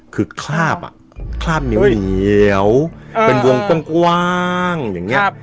คือคราบอ่ะคราบเหนียวเหนียวเป็นวงกว้างกว้างอย่างเงี้ย